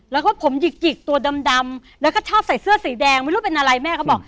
แล้วก็ผมหยิกตัวดำแล้วก็ชอบใส่เสื้อสีแดงไม่รู้เป็นอะไรแม่เขาบอก